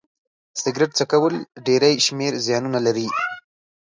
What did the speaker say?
سيګرټ څکول ډيری شمېر زيانونه لري